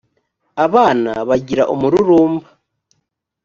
abana bagira umururumba.